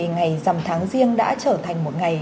ngày giảm tháng riêng đã trở thành một ngày